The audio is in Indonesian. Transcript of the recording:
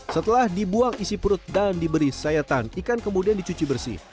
setelah dibuang isi perut dan diberi sayatan ikan kemudian dicuci bersih